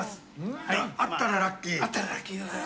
あったらラッキー？